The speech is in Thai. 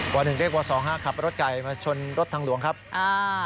หนึ่งเรียกว่าสองห้าขับรถไก่มาชนรถทางหลวงครับอ่า